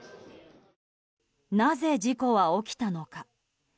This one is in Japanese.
なぜ事故は起きたのか。